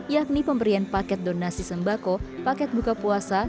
yakni pemberian paket donasi sembako paket buka puasa